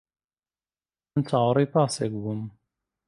من چاوەڕێی پاسێک بووم.